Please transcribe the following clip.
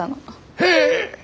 へえ！